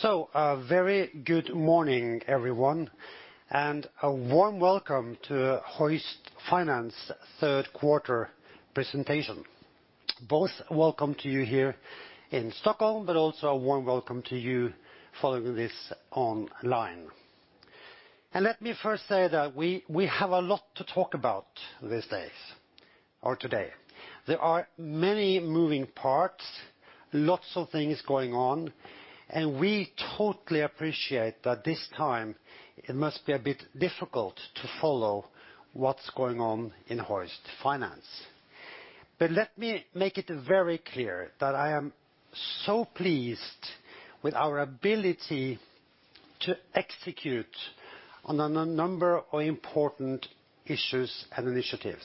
A very good morning, everyone, and a warm welcome to Hoist Finance third quarter presentation. Both welcome to you here in Stockholm, but also a warm welcome to you following this online. Let me first say that we have a lot to talk about these days, or today. There are many moving parts, lots of things going on, and we totally appreciate that this time it must be a bit difficult to follow what's going on in Hoist Finance. Let me make it very clear that I am so pleased with our ability to execute on a number of important issues and initiatives.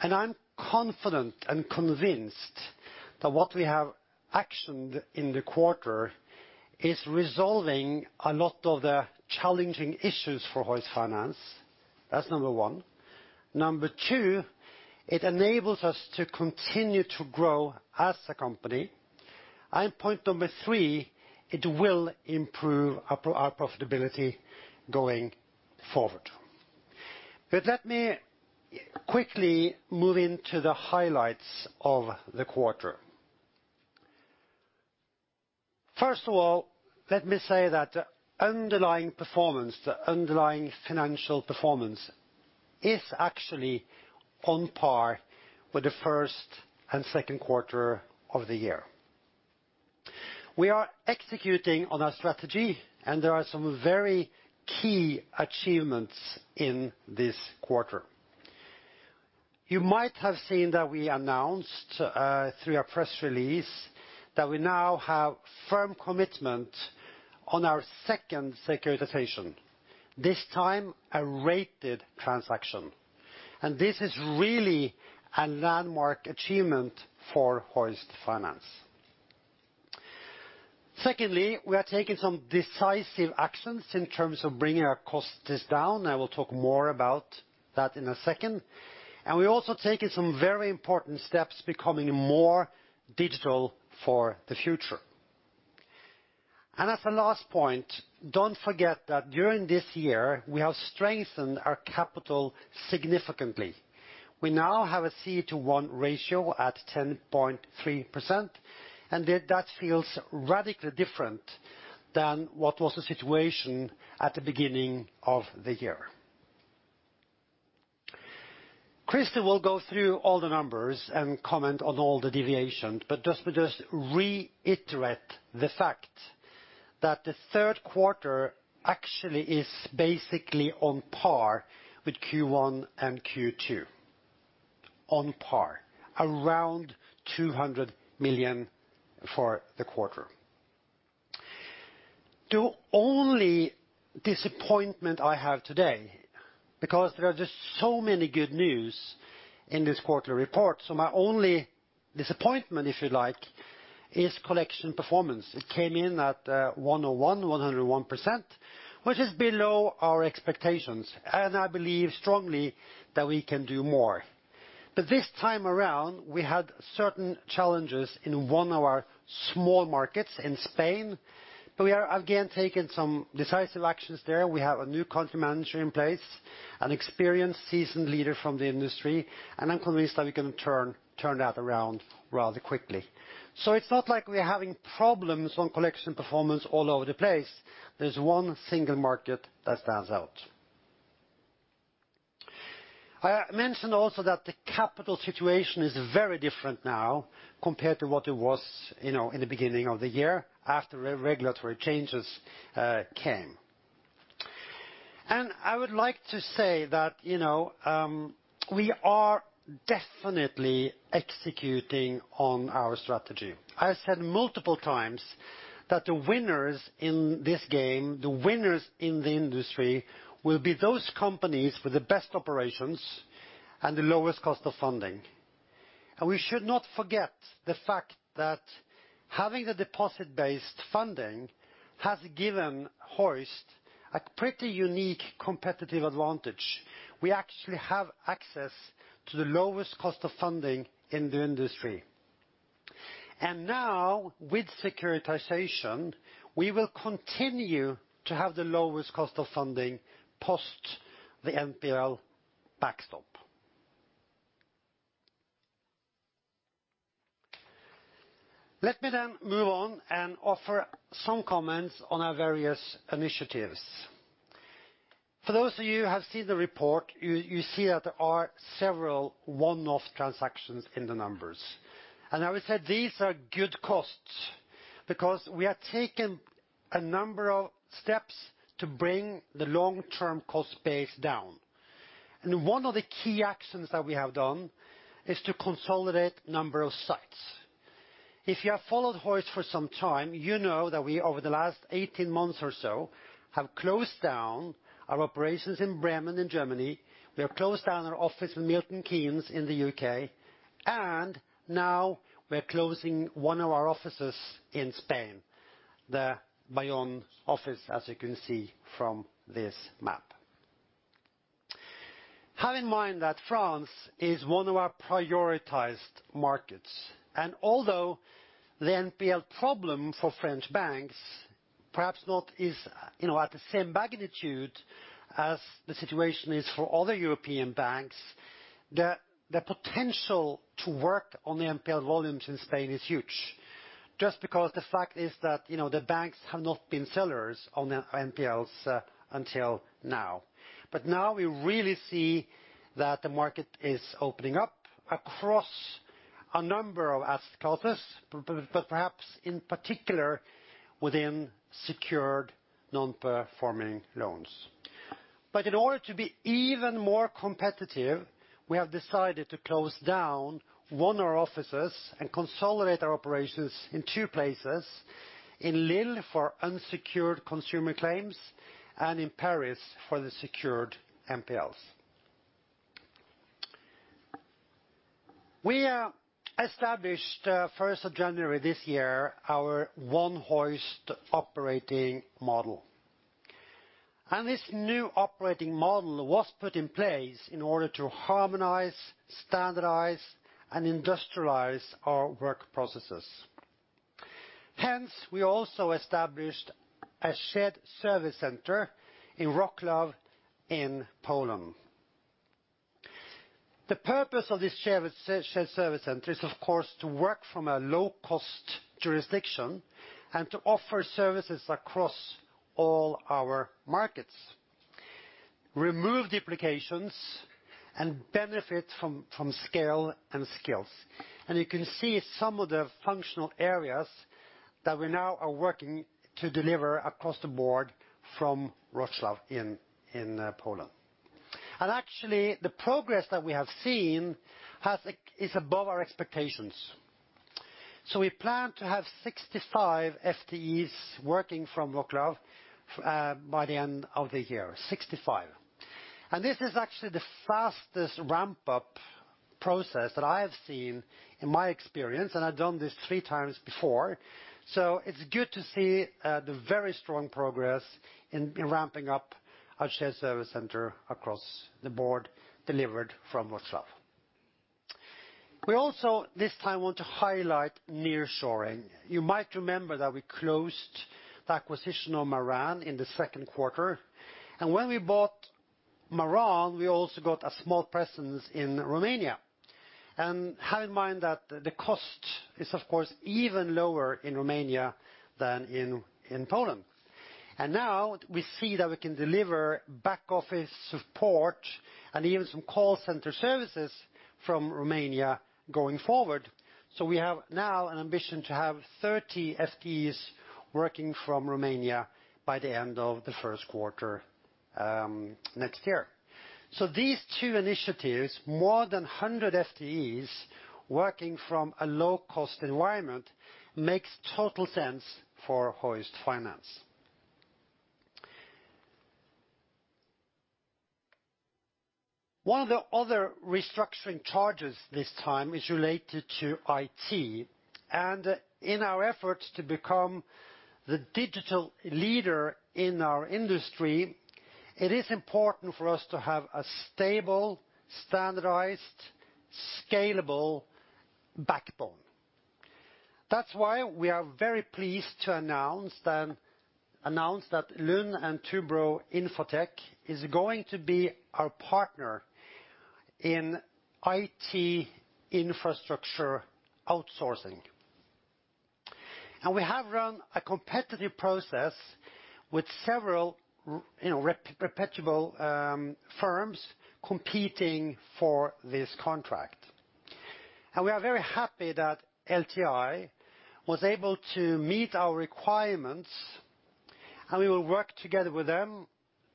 I'm confident and convinced that what we have actioned in the quarter is resolving a lot of the challenging issues for Hoist Finance. That's number 1. Number 2, it enables us to continue to grow as a company. Point number 3, it will improve our profitability going forward. Let me quickly move into the highlights of the quarter. First of all, let me say that the underlying performance, the underlying financial performance, is actually on par with the first and second quarter of the year. We are executing on our strategy, and there are some very key achievements in this quarter. You might have seen that we announced through a press release that we now have firm commitment on our second securitization, this time a rated transaction. This is really a landmark achievement for Hoist Finance. Secondly, we are taking some decisive actions in terms of bringing our costs down. I will talk more about that in a second. We're also taking some very important steps, becoming more digital for the future. As a last point, don't forget that during this year, we have strengthened our capital significantly. We now have a CET1 ratio at 10.3%, and that feels radically different than what was the situation at the beginning of the year. Christer will go through all the numbers and comment on all the deviations, let me just reiterate the fact that the third quarter actually is basically on par with Q1 and Q2. On par, around 200 million for the quarter. The only disappointment I have today, because there are just so many good news in this quarterly report, my only disappointment, if you like, is collection performance. It came in at 101%, which is below our expectations, and I believe strongly that we can do more. This time around, we had certain challenges in one of our small markets in Spain, but we are again taking some decisive actions there. We have a new country manager in place, an experienced, seasoned leader from the industry, and I'm convinced that we can turn that around rather quickly. It's not like we're having problems on collection performance all over the place. There's one single market that stands out. I mentioned also that the capital situation is very different now compared to what it was in the beginning of the year after regulatory changes came. I would like to say that we are definitely executing on our strategy. I said multiple times that the winners in this game, the winners in the industry, will be those companies with the best operations and the lowest cost of funding. We should not forget the fact that having the deposit-based funding has given Hoist a pretty unique competitive advantage. We actually have access to the lowest cost of funding in the industry. Now, with securitization, we will continue to have the lowest cost of funding post the NPL backstop. Let me then move on and offer some comments on our various initiatives. For those of you who have seen the report, you see that there are several one-off transactions in the numbers. I would say these are good costs because we are taking a number of steps to bring the long-term cost base down. One of the key actions that we have done is to consolidate a number of sites. If you have followed Hoist for some time, you know that we, over the last 18 months or so, have closed down our operations in Bremen in Germany. We have closed down our office in Milton Keynes in the U.K., and now we're closing one of our offices in Spain, the Bayonne office, as you can see from this map. Have in mind that France is one of our prioritized markets, and although the NPL problem for French banks perhaps not is at the same magnitude as the situation is for other European banks, the potential to work on the NPL volumes in Spain is huge. Just because the fact is that the banks have not been sellers on NPLs until now. Now we really see that the market is opening up across a number of asset classes, but perhaps in particular within secured non-performing loans. In order to be even more competitive, we have decided to close down one of our offices and consolidate our operations in two places, in Lille for unsecured consumer claims and in Paris for the secured NPLs. We established, 1st of January this year, our One Hoist operating model. This new operating model was put in place in order to harmonize, standardize, and industrialize our work processes. Hence, we also established a shared service center in Wroclaw in Poland. The purpose of this shared service center is, of course, to work from a low-cost jurisdiction and to offer services across all our markets, remove duplications, and benefit from scale and skills. You can see some of the functional areas that we now are working to deliver across the board from Wroclaw in Poland. Actually, the progress that we have seen is above our expectations. We plan to have 65 FTEs working from Wroclaw by the end of the year. This is actually the fastest ramp-up process that I have seen in my experience, and I've done this three times before. It's good to see the very strong progress in ramping up our shared service center across the board delivered from Wroclaw. We also, this time, want to highlight nearshoring. You might remember that we closed the acquisition of Maran in the second quarter. When we bought Maran, we also got a small presence in Romania. Have in mind that the cost is, of course, even lower in Romania than in Poland. Now we see that we can deliver back office support and even some call center services from Romania going forward. We have now an ambition to have 30 FTEs working from Romania by the end of the first quarter next year. These two initiatives, more than 100 FTEs working from a low-cost environment, makes total sense for Hoist Finance. One of the other restructuring charges this time is related to IT. In our efforts to become the digital leader in our industry, it is important for us to have a stable, standardized, scalable backbone. That's why we are very pleased to announce that Larsen & Toubro Infotech is going to be our partner in IT infrastructure outsourcing. We have run a competitive process with several reputable firms competing for this contract. We are very happy that LTI was able to meet our requirements, and we will work together with them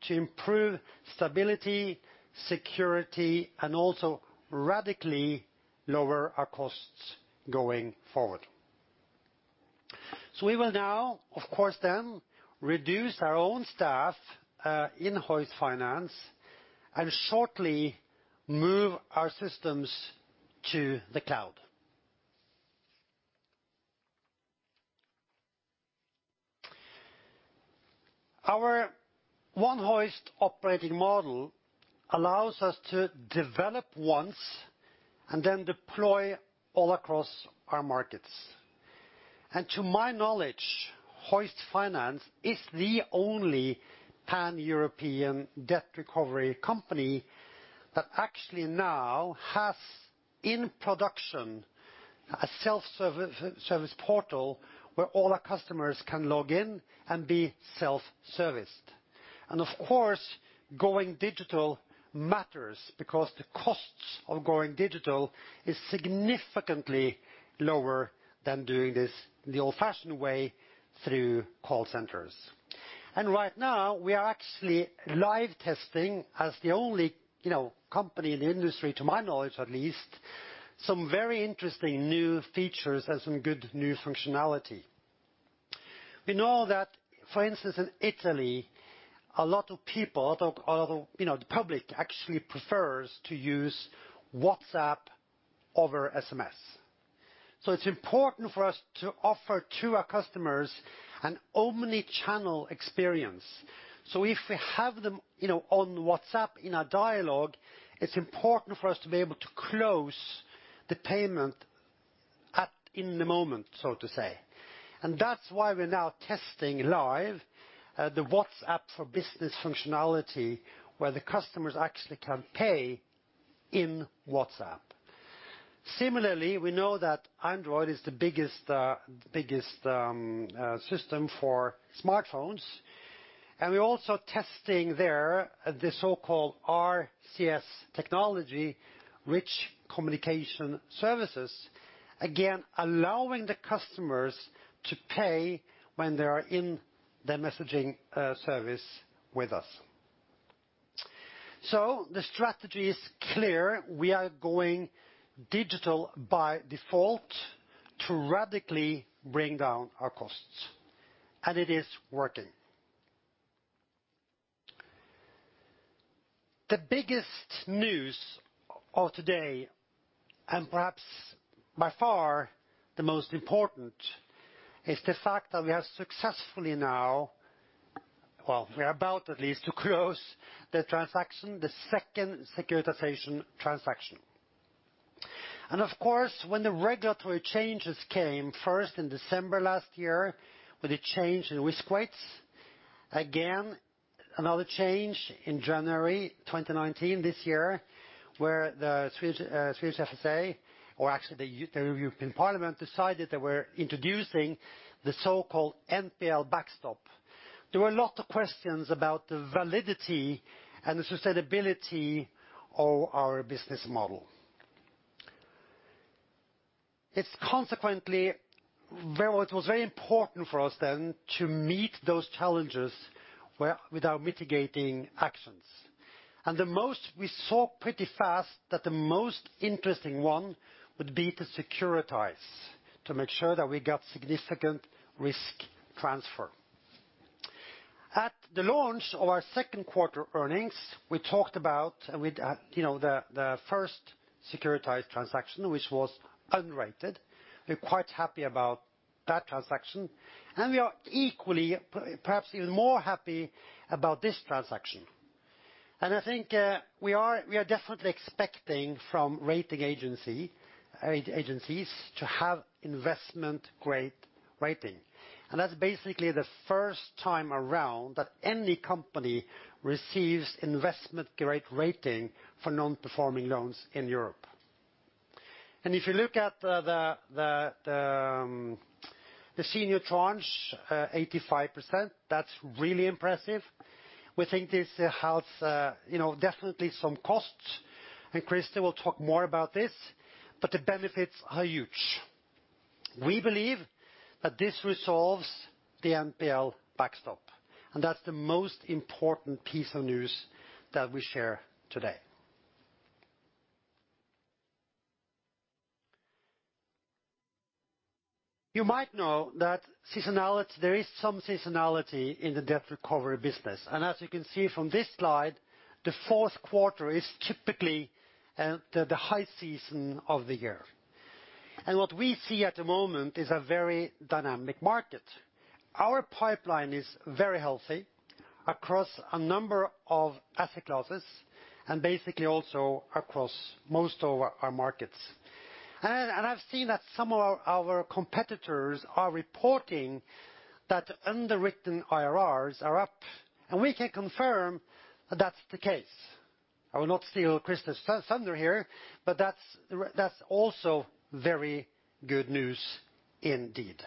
to improve stability, security, and also radically lower our costs going forward. We will now, of course then, reduce our own staff in Hoist Finance and shortly move our systems to the cloud. Our One Hoist operating model allows us to develop once and then deploy all across our markets. To my knowledge, Hoist Finance is the only pan-European debt recovery company that actually now has in production a self-service portal where all our customers can log in and be self-serviced. Of course, going digital matters because the costs of going digital is significantly lower than doing this the old-fashioned way through call centers. Right now, we are actually live testing as the only company in the industry, to my knowledge at least, some very interesting new features and some good new functionality. We know that, for instance, in Italy, a lot of people, the public actually prefers to use WhatsApp over SMS. It's important for us to offer to our customers an omni-channel experience. If we have them on WhatsApp in a dialogue, it's important for us to be able to close the payment in the moment, so to say. That's why we're now testing live, the WhatsApp Business functionality, where the customers actually can pay in WhatsApp. Similarly, we know that Android is the biggest system for smartphones, and we're also testing there the so-called RCS technology, Rich Communication Services, again, allowing the customers to pay when they are in the messaging service with us. The strategy is clear. We are going digital by default to radically bring down our costs. It is working. The biggest news of today, and perhaps by far the most important, is the fact that we are successfully now Well, we are about at least to close the transaction, the second securitization transaction. Of course, when the regulatory changes came first in December last year with a change in risk weights, again, another change in January 2019 this year, where the Swedish FSA, or actually the European Parliament, decided they were introducing the so-called NPL backstop. There were a lot of questions about the validity and the sustainability of our business model. It was very important for us then to meet those challenges with our mitigating actions. We saw pretty fast that the most interesting one would be to securitize to make sure that we got significant risk transfer. At the launch of our second quarter earnings, we talked about the first securitized transaction, which was unrated. We're quite happy about that transaction, and we are equally, perhaps even more happy about this transaction. I think we are definitely expecting from rating agencies to have investment-grade rating. That's basically the first time around that any company receives investment-grade rating for non-performing loans in Europe. If you look at the senior tranche, 85%, that's really impressive. We think this has definitely some costs, and Christer will talk more about this, but the benefits are huge. We believe that this resolves the NPL backstop, and that's the most important piece of news that we share today. You might know that there is some seasonality in the debt recovery business. As you can see from this slide, the fourth quarter is typically the high season of the year. What we see at the moment is a very dynamic market. Our pipeline is very healthy across a number of asset classes and basically also across most of our markets. I've seen that some of our competitors are reporting that underwritten IRRs are up, and we can confirm that that's the case. I will not steal Christer's thunder here, but that's also very good news indeed.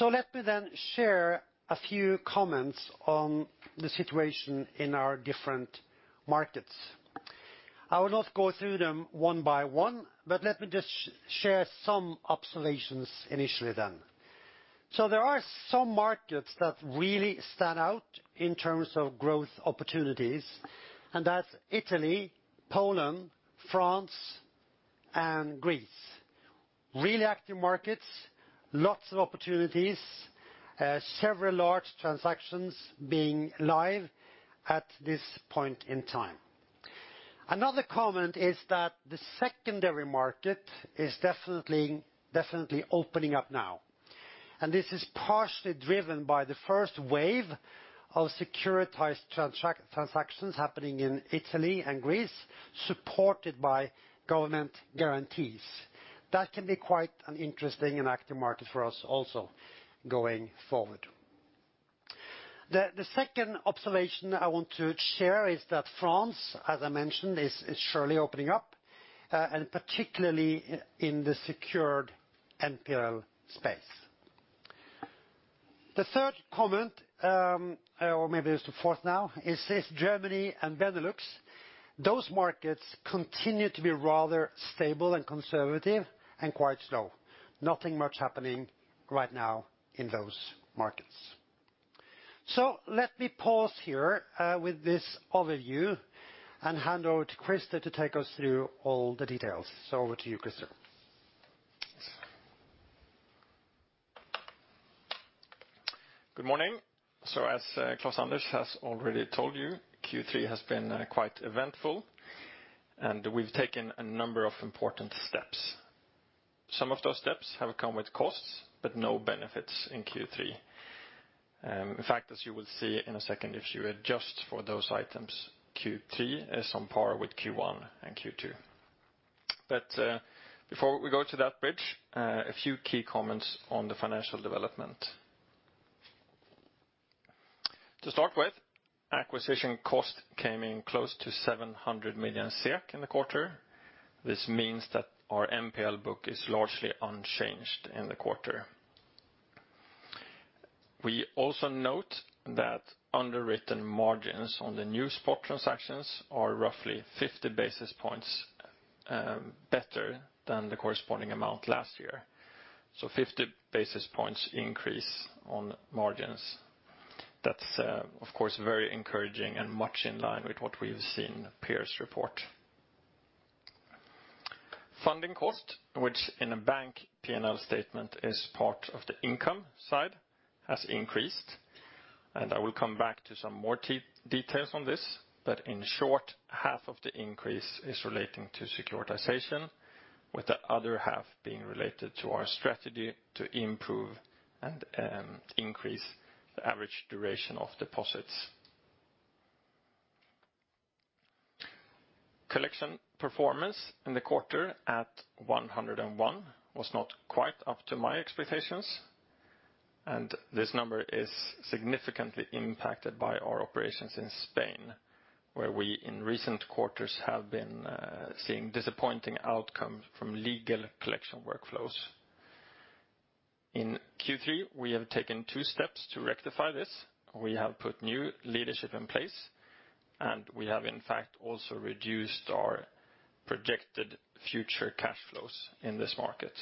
Let me then share a few comments on the situation in our different markets. I will not go through them one by one, but let me just share some observations initially then. There are some markets that really stand out in terms of growth opportunities, and that's Italy, Poland, France, and Greece. Really active markets, lots of opportunities, several large transactions being live at this point in time. Another comment is that the secondary market is definitely opening up now. This is partially driven by the first wave of securitized transactions happening in Italy and Greece, supported by government guarantees. That can be quite an interesting and active market for us also going forward. The second observation I want to share is that France, as I mentioned, is surely opening up, and particularly in the secured NPL space. The third comment, or maybe it's the fourth now, is Germany and Benelux. Those markets continue to be rather stable and conservative and quite slow. Nothing much happening right now in those markets. Let me pause here with this overview and hand over to Christer to take us through all the details. Over to you, Christer. Good morning. As Klaus-Anders has already told you, Q3 has been quite eventful and we've taken a number of important steps. Some of those steps have come with costs, but no benefits in Q3. In fact, as you will see in a second, if you adjust for those items, Q3 is on par with Q1 and Q2. Before we go to that bridge, a few key comments on the financial development. To start with, acquisition cost came in close to 700 million in the quarter. This means that our NPL book is largely unchanged in the quarter. We also note that underwritten margins on the new spot transactions are roughly 50 basis points better than the corresponding amount last year. 50 basis points increase on margins. That's of course very encouraging and much in line with what we've seen peers report. Funding cost, which in a bank P&L statement is part of the income side, has increased. I will come back to some more details on this. In short, half of the increase is relating to securitization, with the other half being related to our strategy to improve and increase the average duration of deposits. Collection performance in the quarter at 101 was not quite up to my expectations. This number is significantly impacted by our operations in Spain, where we in recent quarters have been seeing disappointing outcomes from legal collection workflows. In Q3, we have taken two steps to rectify this. We have put new leadership in place. We have in fact also reduced our projected future cash flows in this market.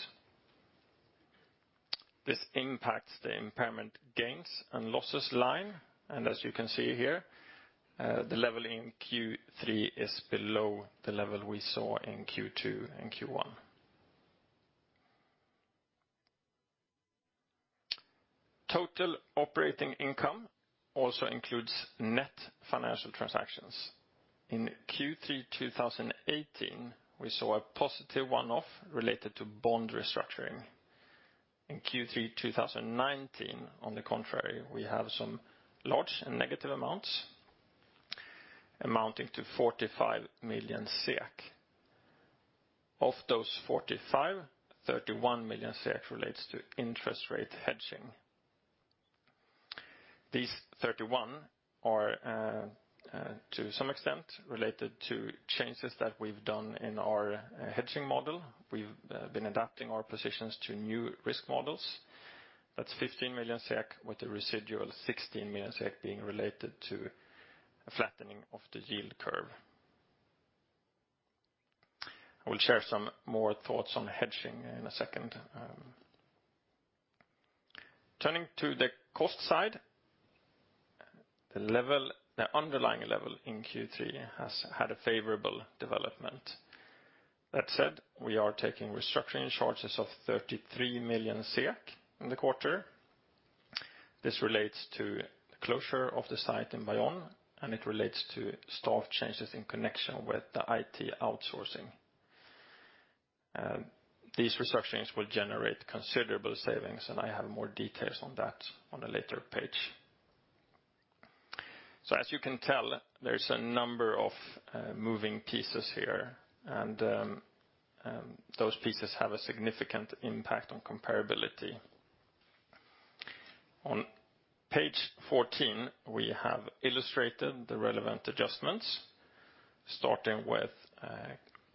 This impacts the impairment gains and losses line, as you can see here, the level in Q3 is below the level we saw in Q2 and Q1. Total operating income also includes net financial transactions. In Q3 2018, we saw a positive one-off related to bond restructuring. In Q3 2019, on the contrary, we have some large and negative amounts amounting to 45 million SEK. Of those 45, 31 million SEK relates to interest rate hedging. These 31 are to some extent related to changes that we've done in our hedging model. We've been adapting our positions to new risk models. That's 15 million SEK, with the residual 16 million SEK being related to a flattening of the yield curve. I will share some more thoughts on hedging in a second. Turning to the cost side. The underlying level in Q3 has had a favorable development. That said, we are taking restructuring charges of 33 million SEK in the quarter. This relates to the closure of the site in Bayonne, and it relates to staff changes in connection with the IT outsourcing. These restructurings will generate considerable savings, and I have more details on that on a later page. As you can tell, there's a number of moving pieces here, and those pieces have a significant impact on comparability. On page 14, we have illustrated the relevant adjustments, starting with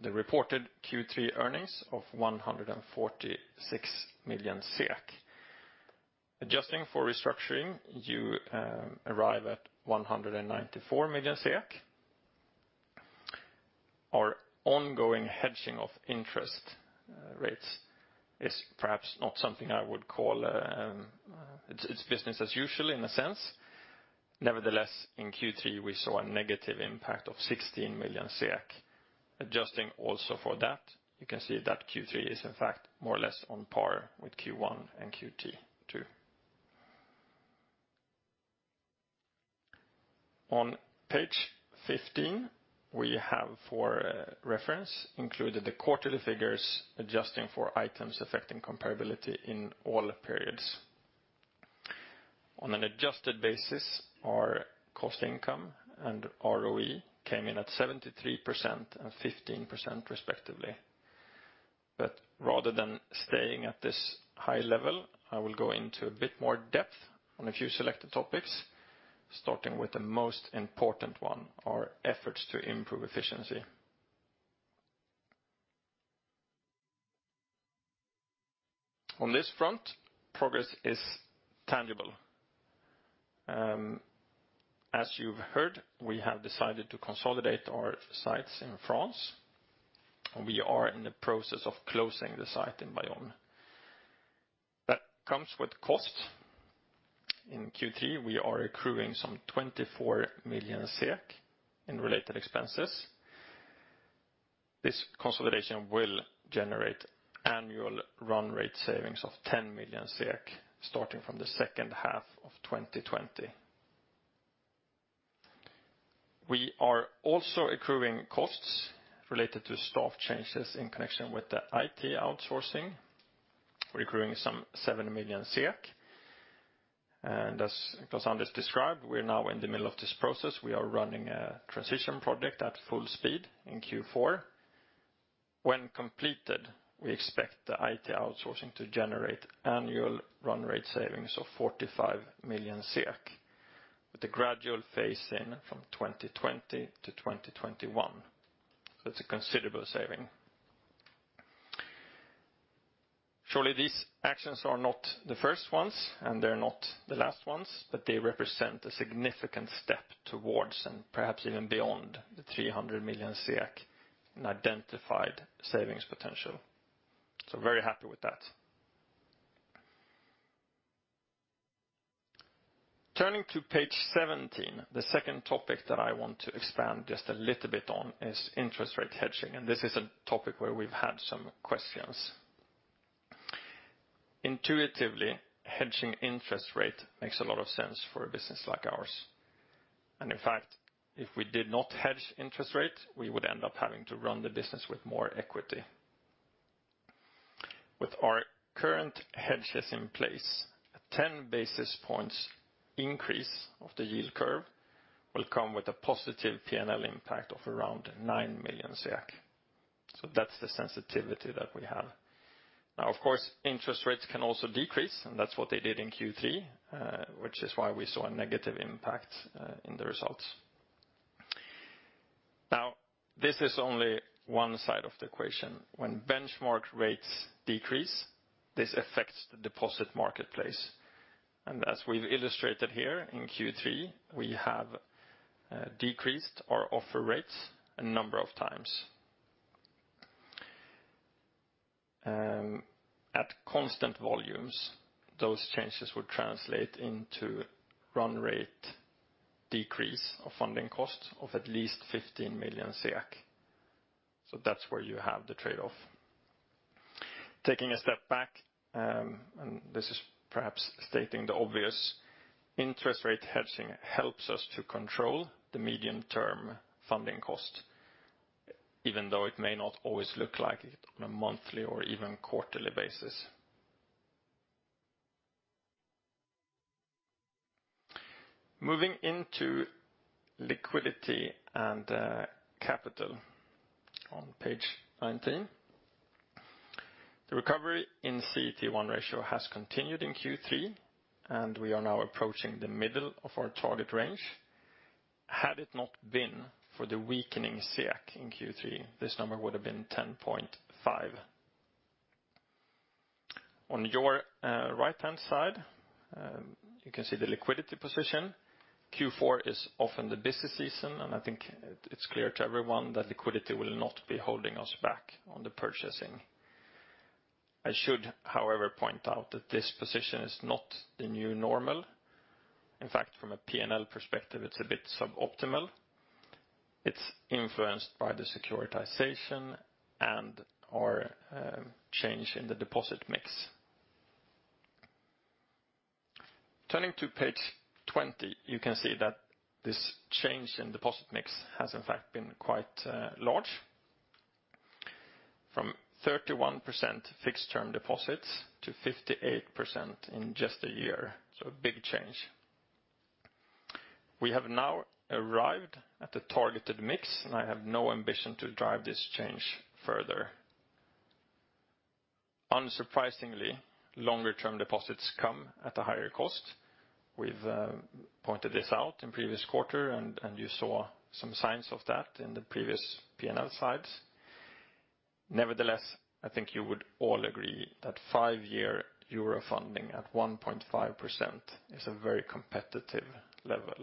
the reported Q3 earnings of 146 million. Adjusting for restructuring, you arrive at SEK 194 million. Our ongoing hedging of interest rates is perhaps not something I would call it's business as usual in a sense. Nevertheless, in Q3 we saw a negative impact of 16 million. Adjusting also for that, you can see that Q3 is in fact more or less on par with Q1 and Q2. On page 15, we have for reference included the quarterly figures adjusting for items affecting comparability in all periods. On an adjusted basis our cost income and ROE came in at 73% and 15% respectively. Rather than staying at this high level, I will go into a bit more depth on a few selected topics, starting with the most important one, our efforts to improve efficiency. On this front, progress is tangible. As you've heard, we have decided to consolidate our sites in France, and we are in the process of closing the site in Bayonne. That comes with cost. In Q3, we are accruing some 24 million SEK in related expenses. This consolidation will generate annual run rate savings of 10 million SEK starting from the second half of 2020. We are also accruing costs related to staff changes in connection with the IT outsourcing. We're accruing some SEK 7 million. As Anders described, we're now in the middle of this process. We are running a transition project at full speed in Q4. When completed, we expect the IT outsourcing to generate annual run rate savings of 45 million SEK, with a gradual phase in from 2020 to 2021. That's a considerable saving. Surely these actions are not the first ones, and they're not the last ones, but they represent a significant step towards and perhaps even beyond the 300 million SEK in identified savings potential. I'm very happy with that. Turning to page 17, the second topic that I want to expand just a little bit on is interest rate hedging, and this is a topic where we've had some questions. Intuitively, hedging interest rate makes a lot of sense for a business like ours. In fact, if we did not hedge interest rate, we would end up having to run the business with more equity. With our current hedges in place, a 10 basis points increase of the yield curve will come with a positive P&L impact of around nine million SEK. That's the sensitivity that we have. Now, of course, interest rates can also decrease, and that's what they did in Q3, which is why we saw a negative impact in the results. Now, this is only one side of the equation. When benchmark rates decrease, this affects the deposit marketplace. As we've illustrated here in Q3, we have decreased our offer rates a number of times. At constant volumes, those changes would translate into run rate decrease of funding costs of at least 15 million SEK. That's where you have the trade-off. Taking a step back, this is perhaps stating the obvious, interest rate hedging helps us to control the medium-term funding cost, even though it may not always look like it on a monthly or even quarterly basis. Moving into liquidity and capital on page 19. The recovery in CET1 ratio has continued in Q3, and we are now approaching the middle of our target range. Had it not been for the weakening SEK in Q3, this number would have been 10.5. On your right-hand side, you can see the liquidity position. Q4 is often the busiest season. I think it's clear to everyone that liquidity will not be holding us back on the purchasing. I should, however, point out that this position is not the new normal. In fact, from a P&L perspective, it's a bit suboptimal. It's influenced by the securitization and our change in the deposit mix. Turning to page 20, you can see that this change in deposit mix has in fact been quite large. From 31% fixed-term deposits to 58% in just a year. A big change. We have now arrived at the targeted mix. I have no ambition to drive this change further. Unsurprisingly, longer-term deposits come at a higher cost. We've pointed this out in previous quarter. You saw some signs of that in the previous P&L slides. Nevertheless, I think you would all agree that five-year euro funding at 1.5% is a very competitive level.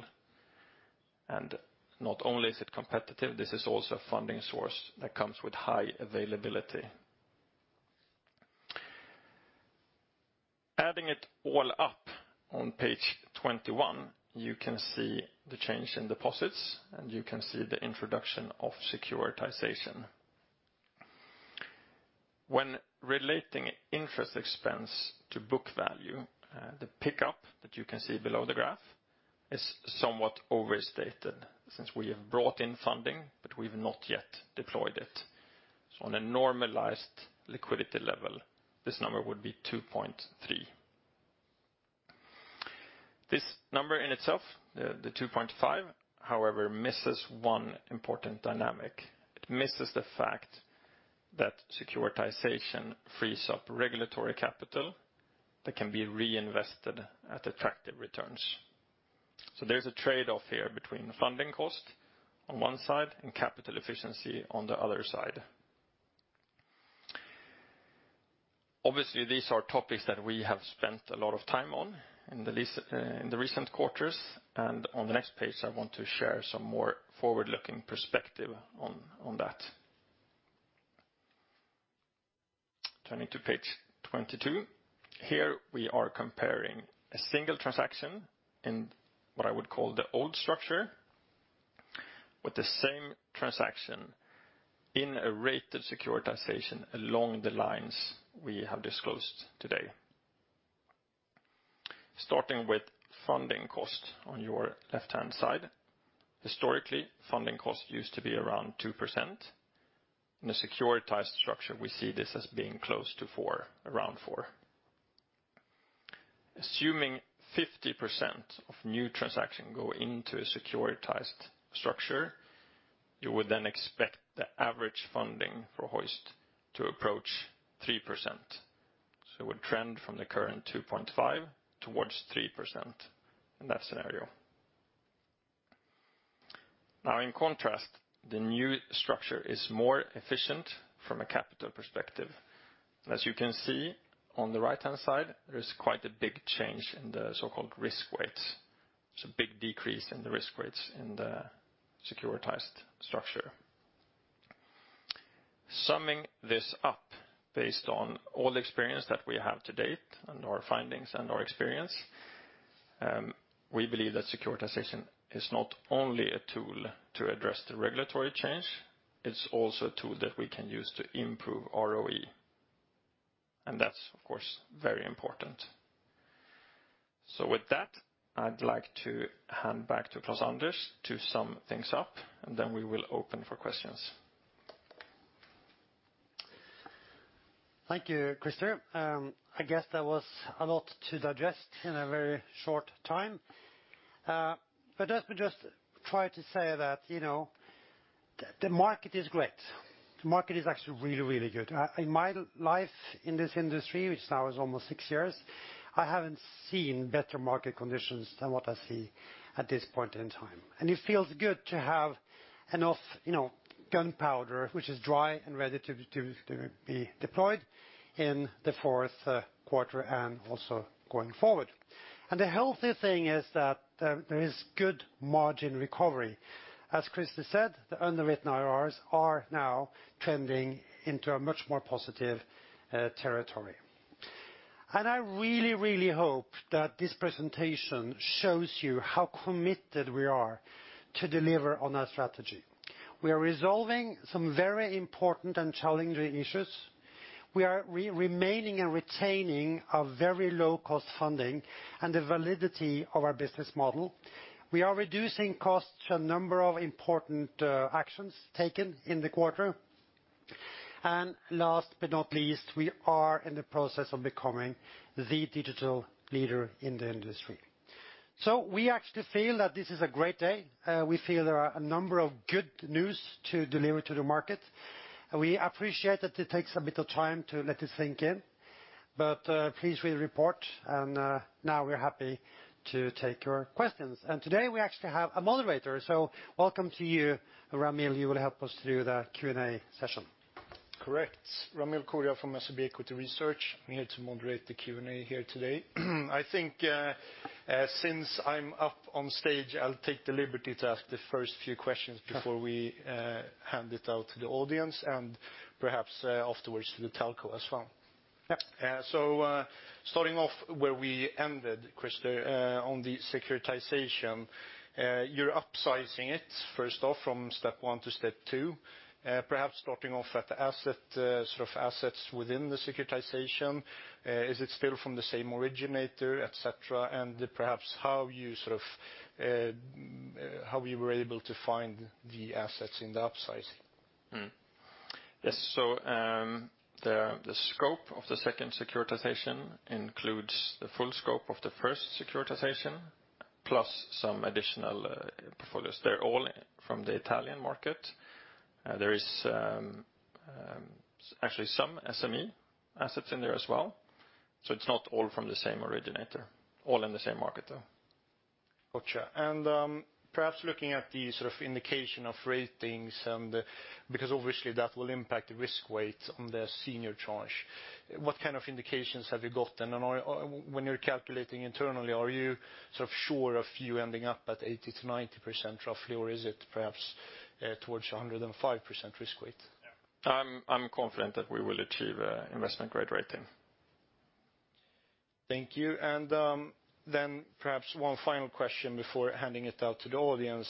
Not only is it competitive, this is also a funding source that comes with high availability. Adding it all up on page 21, you can see the change in deposits, and you can see the introduction of securitization. When relating interest expense to book value, the pickup that you can see below the graph is somewhat overstated since we have brought in funding, but we've not yet deployed it. On a normalized liquidity level, this number would be 2.3. This number in itself, the 2.5, however, misses one important dynamic. It misses the fact that securitization frees up regulatory capital that can be reinvested at attractive returns. There's a trade-off here between funding cost on one side and capital efficiency on the other side. Obviously, these are topics that we have spent a lot of time on in the recent quarters, and on the next page, I want to share some more forward-looking perspective on that. Turning to page 22. Here we are comparing a single transaction in what I would call the old structure, with the same transaction in a rated securitization along the lines we have disclosed today. Starting with funding cost on your left-hand side. Historically, funding cost used to be around 2%. In a securitized structure, we see this as being close to around 4%. Assuming 50% of new transaction go into a securitized structure, you would then expect the average funding for Hoist to approach 3%. It would trend from the current 2.5% towards 3% in that scenario. Now, in contrast, the new structure is more efficient from a capital perspective. As you can see on the right-hand side, there is quite a big change in the so-called risk weights. There's a big decrease in the risk weights in the securitized structure. Summing this up, based on all the experience that we have to date and our findings and our experience, we believe that securitization is not only a tool to address the regulatory change, it's also a tool that we can use to improve ROE. That's of course very important. With that, I'd like to hand back to Klaus-Anders to sum things up, and then we will open for questions. Thank you, Christer. I guess that was a lot to digest in a very short time. Let me just try to say that the market is great. The market is actually really good. In my life in this industry, which now is almost six years, I haven't seen better market conditions than what I see at this point in time. It feels good to have enough gunpowder which is dry and ready to be deployed in the fourth quarter and also going forward. The healthy thing is that there is good margin recovery. As Christer said, the underwritten IRRs are now trending into a much more positive territory. I really hope that this presentation shows you how committed we are to deliver on our strategy. We are resolving some very important and challenging issues. We are remaining and retaining a very low-cost funding and the validity of our business model. We are reducing costs to a number of important actions taken in the quarter. Last but not least, we are in the process of becoming the digital leader in the industry. We actually feel that this is a great day. We feel there are a number of good news to deliver to the market. We appreciate that it takes a bit of time to let it sink in. Please read the report and now we're happy to take your questions. Today we actually have a moderator. Welcome to you, Ramil. You will help us through the Q&A session. Correct. Ramil Koria from SEB Equity Research. I'm here to moderate the Q&A here today. I think since I'm up on stage, I'll take the liberty to ask the first few questions before we hand it out to the audience and perhaps afterwards to the telco as well. Yeah. Starting off where we ended, Christer on the securitization. You're upsizing it first off from step 1 to step 2. Perhaps starting off at the asset, sort of assets within the securitization. Is it still from the same originator, et cetera, and perhaps how you were able to find the assets in the upsize? Yes. The scope of the second securitization includes the full scope of the first securitization plus some additional portfolios. They are all from the Italian market. There is actually some SME assets in there as well, so it is not all from the same originator. All in the same market, though. Got you. Perhaps looking at the indication of ratings. Obviously that will impact the risk weight on the senior charge. What kind of indications have you gotten? When you're calculating internally, are you sure of you ending up at 80%-90% roughly, or is it perhaps towards 105% risk weight? I'm confident that we will achieve investment grade rating. Thank you. Then perhaps one final question before handing it out to the audience.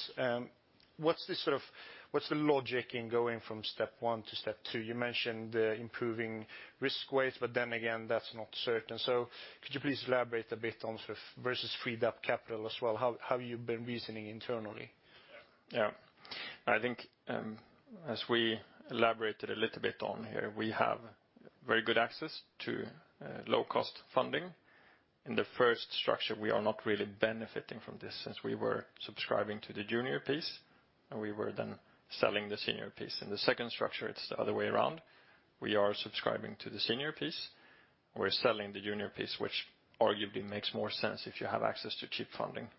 What's the logic in going from step 1 to step 2? You mentioned improving risk weight, but then again, that's not certain. Could you please elaborate a bit on versus freed-up capital as well? How have you been reasoning internally? Yeah. I think as we elaborated a little bit on here, we have very good access to low-cost funding. In the first structure, we are not really benefiting from this since we were subscribing to the junior piece, and we were then selling the senior piece. In the second structure, it's the other way around. We are subscribing to the senior piece. We're selling the junior piece, which arguably makes more sense if you have access to cheap funding.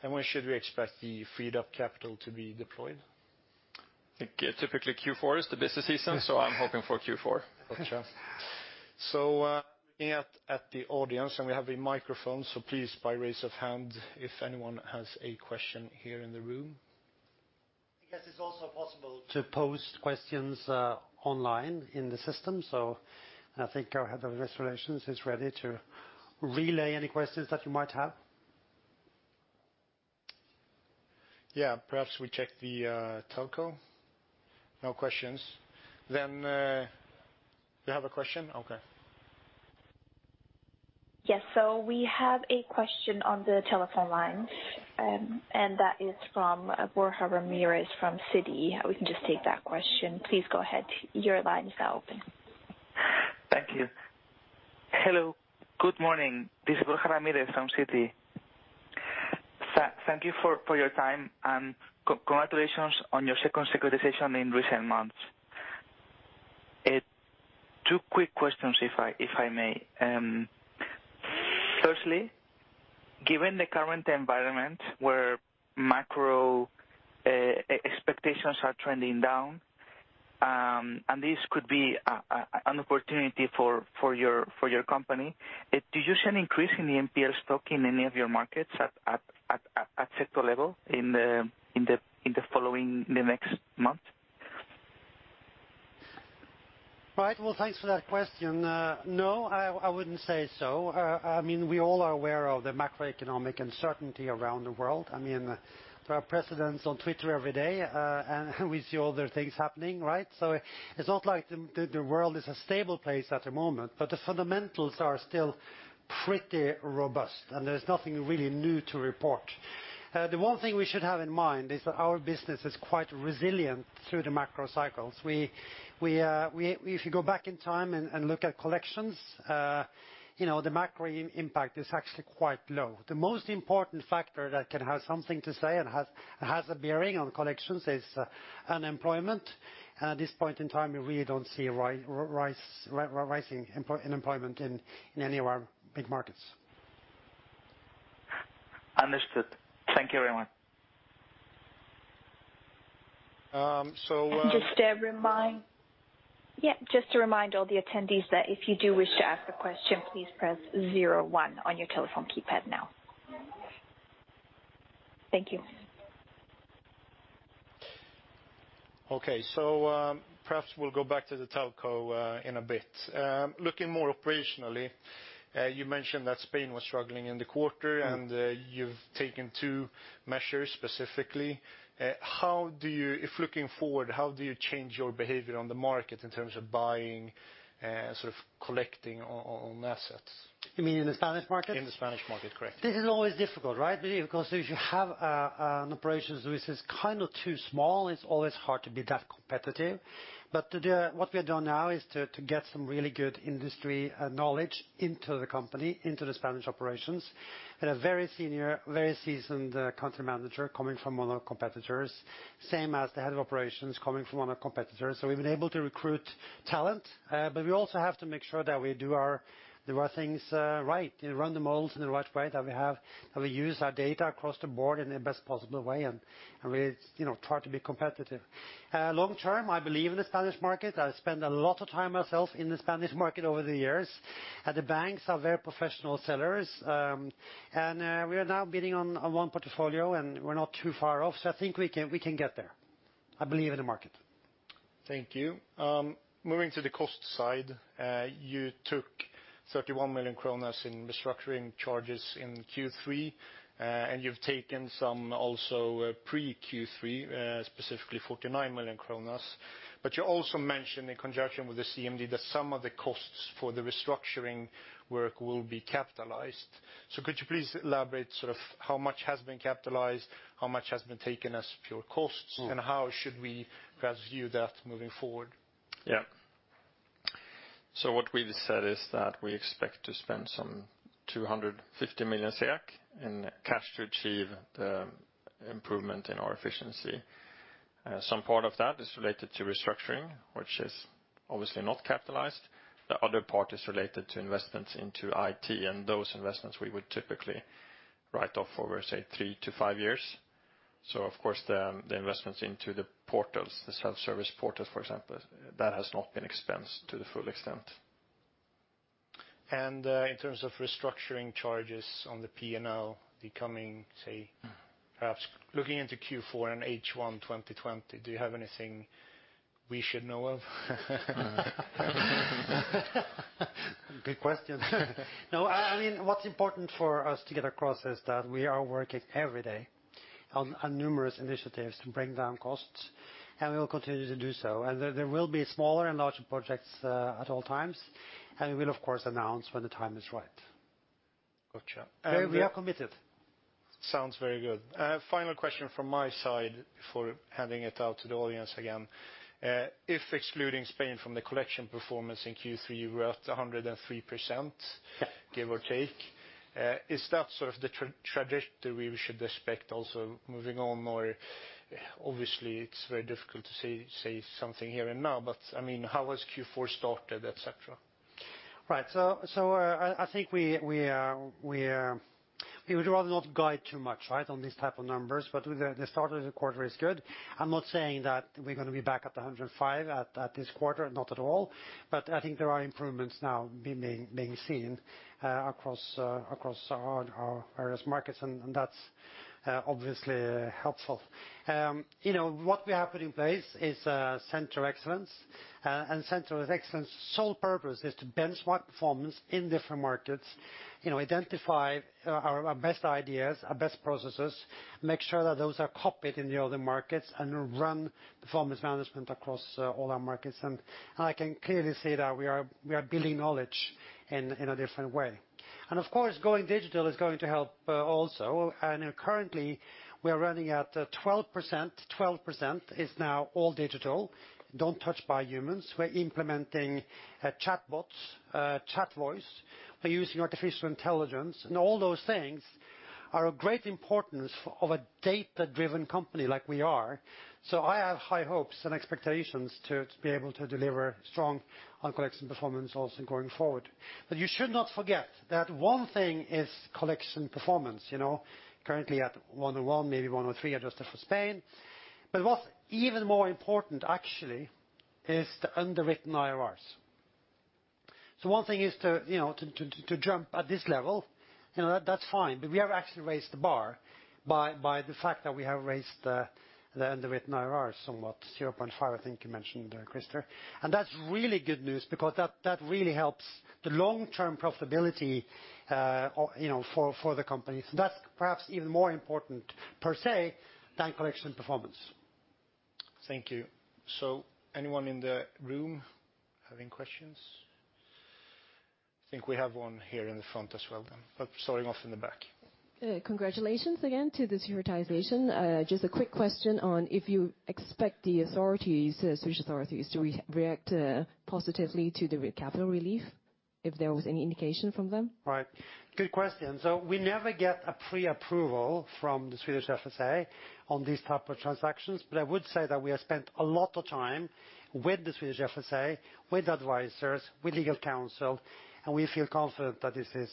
When should we expect the freed-up capital to be deployed? I think typically Q4 is the business season, so I'm hoping for Q4. Got you. Looking at the audience, and we have a microphone, so please by raise of hand if anyone has a question here in the room. I guess it's also possible to post questions online in the system. I think our head of investor relations is ready to relay any questions that you might have. Yeah. Perhaps we check the telco. No questions. You have a question? Okay. Yes. We have a question on the telephone line, and that is from Borja Ramirez from Citi. We can just take that question. Please go ahead. Your line is open. Thank you. Hello, good morning. This is Borja Ramirez from Citi. Thank you for your time, and congratulations on your second securitization in recent months. Two quick questions, if I may. Firstly, given the current environment where macro expectations are trending down, and this could be an opportunity for your company. Do you see an increase in the NPL stock in any of your markets at sector level in the next month? Well, thanks for that question. No, I wouldn't say so. We all are aware of the macroeconomic uncertainty around the world. There are precedents on Twitter every day, and we see all the things happening, right? It's not like the world is a stable place at the moment, but the fundamentals are still pretty robust, and there's nothing really new to report. The one thing we should have in mind is that our business is quite resilient through the macro cycles. If you go back in time and look at collections, the macro impact is actually quite low. The most important factor that can have something to say and has a bearing on collections is unemployment. At this point in time, we really don't see rising unemployment in any of our big markets. Understood. Thank you very much. So, uh- Just to remind all the attendees that if you do wish to ask a question, please press zero one on your telephone keypad now. Thank you. Okay. Perhaps we'll go back to the telco in a bit. Looking more operationally, you mentioned that Spain was struggling in the quarter, and you've taken two measures specifically. If looking forward, how do you change your behavior on the market in terms of buying, sort of collecting on assets? You mean in the Spanish market? In the Spanish market, correct. This is always difficult, right? If you have an operations which is kind of too small, it's always hard to be that competitive. What we have done now is to get some really good industry knowledge into the company, into the Spanish operations, and a very senior, very seasoned country manager coming from one of our competitors. Same as the head of operations coming from one of our competitors. We've been able to recruit talent, but we also have to make sure that we do our things right and run the models in the right way, that we use our data across the board in the best possible way. We try to be competitive. Long term, I believe in the Spanish market. I spent a lot of time myself in the Spanish market over the years. The banks are very professional sellers. We are now bidding on one portfolio, and we're not too far off. I think we can get there. I believe in the market. Thank you. Moving to the cost side. You took 31 million kronor in restructuring charges in Q3, and you've taken some also pre Q3, specifically 49 million kronor. You also mentioned in conjunction with the CMD that some of the costs for the restructuring work will be capitalized. Could you please elaborate how much has been capitalized, how much has been taken as pure costs, and how should we perhaps view that moving forward? Yeah. What we said is that we expect to spend some 250 million in cash to achieve the improvement in our efficiency. Some part of that is related to restructuring, which is obviously not capitalized. The other part is related to investments into IT, and those investments we would typically write off over, say, three to five years. Of course, the investments into the portals, the self-service portals, for example, that has not been expensed to the full extent. In terms of restructuring charges on the P&L becoming, say, perhaps looking into Q4 and H1 2020, do you have anything we should know of? Good question. No, what's important for us to get across is that we are working every day on numerous initiatives to bring down costs, and we will continue to do so. There will be smaller and larger projects at all times, and we will of course announce when the time is right. Gotcha. We are committed. Sounds very good. Final question from my side before handing it out to the audience again. If excluding Spain from the collection performance in Q3, we're at 103%, give or take. Is that sort of the trajectory we should expect also moving on? Obviously, it's very difficult to say something here and now, but how has Q4 started, et cetera? Right. I think we would rather not guide too much on these type of numbers. The start of the quarter is good. I'm not saying that we're going to be back at 105 at this quarter. Not at all. I think there are improvements now being seen across our various markets, and that's obviously helpful. What we have put in place is a center of excellence. Center of excellence sole purpose is to benchmark performance in different markets, identify our best ideas, our best processes, make sure that those are copied in the other markets, and run performance management across all our markets. I can clearly say that we are building knowledge in a different way. Of course, going digital is going to help also. Currently we are running at 12%, 12% is now all digital, don't touch by humans. We're implementing chatbots, chat voice. We're using artificial intelligence. All those things are of great importance of a data-driven company like we are. I have high hopes and expectations to be able to deliver strong on collection performance also going forward. You should not forget that one thing is collection performance. Currently at 101, maybe 103 adjusted for Spain. What's even more important actually is the underwritten IRRs. One thing is to jump at this level, that's fine. We have actually raised the bar by the fact that we have raised the underwritten IRRs somewhat, 0.5, I think you mentioned, Christer. That's really good news because that really helps the long-term profitability for the company. That's perhaps even more important per se than collection performance. Thank you. Anyone in the room having questions? I think we have one here in the front as well. Starting off in the back. Congratulations again to the securitization. A quick question on if you expect the authorities, Swedish authorities, to react positively to the capital relief, if there was any indication from them? Right. Good question. We never get a pre-approval from the Swedish FSA on these type of transactions. I would say that we have spent a lot of time with the Swedish FSA, with advisors, with legal counsel. We feel confident that this is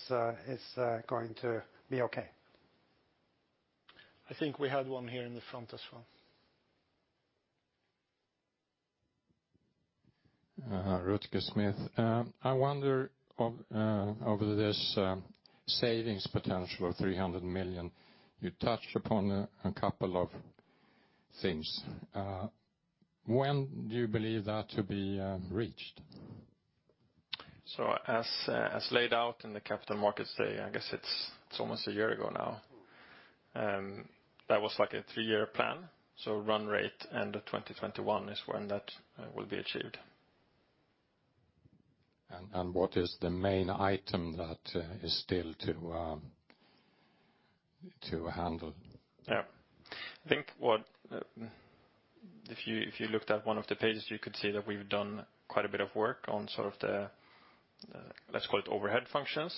going to be okay. I think we had one here in the front as well. Rutger Smith. I wonder over this savings potential of 300 million. You touched upon a couple of things. When do you believe that to be reached? As laid out in the Capital Markets Day, I guess it's almost a year ago now. That was like a three-year plan. Run rate end of 2021 is when that will be achieved. What is the main item that is still to handle? Yeah. I think if you looked at one of the pages, you could see that we've done quite a bit of work on the, let's call it overhead functions.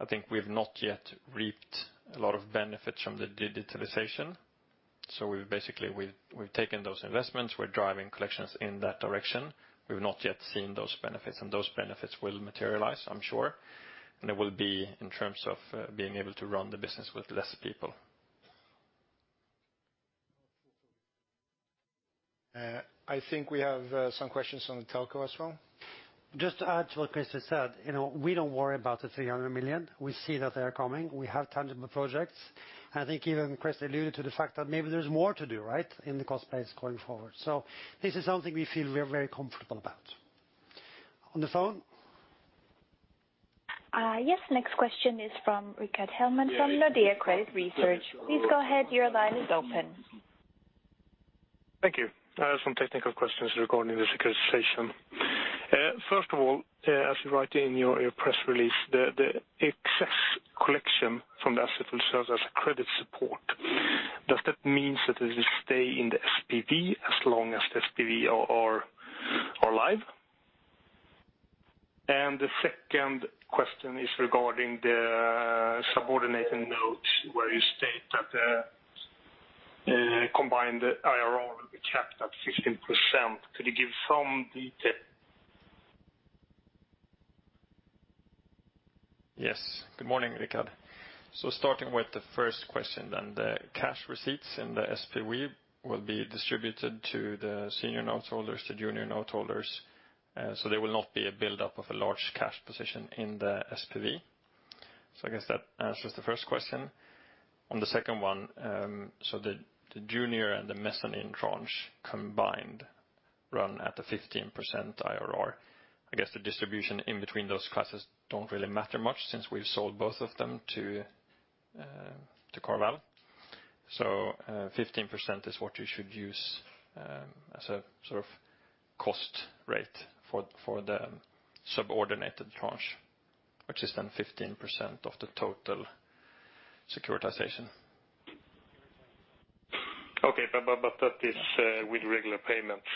I think we've not yet reaped a lot of benefits from the digitalization. We've basically taken those investments. We're driving collections in that direction. We've not yet seen those benefits, and those benefits will materialize, I'm sure. It will be in terms of being able to run the business with less people. I think we have some questions on the telco as well. Just to add to what Christer said, we don't worry about the 300 million. We see that they are coming. We have tangible projects. I think even Chris alluded to the fact that maybe there's more to do, right, in the cost base going forward. This is something we feel very comfortable about. On the phone? Yes. Next question is from Rickard Hellman from Nordea Credit Research. Please go ahead. Your line is open. Thank you. I have some technical questions regarding the securitization. First of all, as you write in your press release, the excess collection from the asset will serve as a credit support. Does that means that it will stay in the SPV as long as the SPV are live? The second question is regarding the subordinates notes where you state that the combined IRR will be capped at 15%. Could you give some detail? Yes. Good morning, Rickard. Starting with the first question then, the cash receipts in the SPV will be distributed to the senior note holders, to junior note holders. There will not be a buildup of a large cash position in the SPV. I guess that answers the first question. On the second one, so the junior and the mezzanine tranche combined run at a 15% IRR. I guess the distribution in between those classes don't really matter much since we've sold both of them to CarVal. 15% is what you should use as a sort of cost rate for the subordinated tranche, which is then 15% of the total securitization. Okay, that is with regular payments?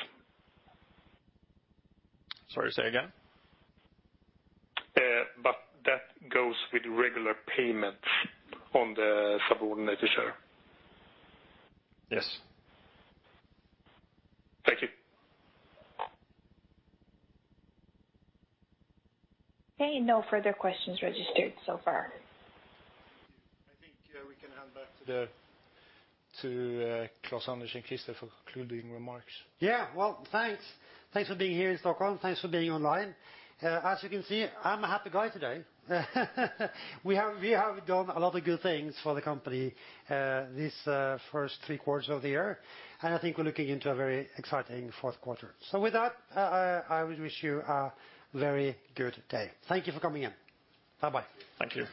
Sorry, say again? That goes with regular payments on the subordinated share. Yes. Thank you. Okay, no further questions registered so far. I think we can hand back to Klaus-Anders and Christer for concluding remarks. Well, thanks. Thanks for being here in Stockholm. Thanks for being online. As you can see, I'm a happy guy today. We have done a lot of good things for the company this first three quarters of the year. I think we're looking into a very exciting fourth quarter. With that, I will wish you a very good day. Thank you for coming in. Bye-bye. Thank you.